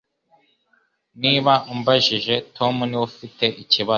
Niba umbajije, Tom niwe ufite ikibazo.